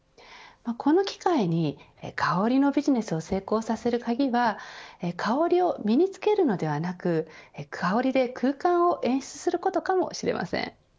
この機会に香りのビジネスを成功させる鍵は香りを身につけるのではなく香りで空間を演出することかもしれません。